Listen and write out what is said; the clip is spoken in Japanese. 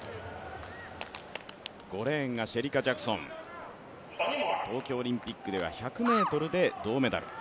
５レーンがシェリカ・ジャクソン東京オリンピックでは、１００ｍで銅メダル。